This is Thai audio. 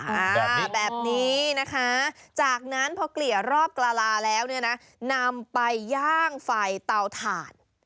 อ่าแบบนี้นะคะจากนั้นพอเกลี่ยรอบกลาแล้วเนี่ยนะนำไปย่างไฟเตาถ่าน